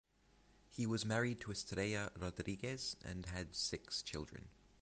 He was married to Estrella Rodriguez and had six children.